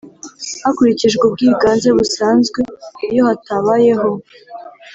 Hakurikijwe ubwiganze busanzwe iyo hatabayeho